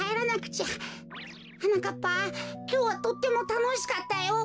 はなかっぱきょうはとってもたのしかったよ。